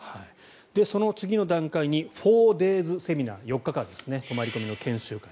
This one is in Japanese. その次の段階に４デーズセミナー４日間の泊まり込みの研修会。